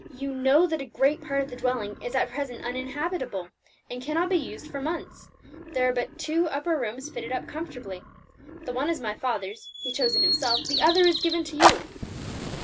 "You know that a great part of the dwelling is at present uninhabitable, and cannot be used for months. There are but two upper rooms fitted up comfortably; the one is my father's he chose it himself; the other is given to you.